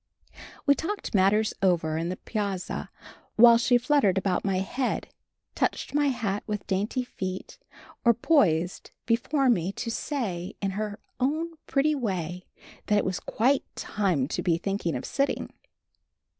We talked matters over on the piazza while she fluttered about my head, touched my hat with dainty feet, or poised before me to say in her own pretty way that it was quite time to be thinking of sitting.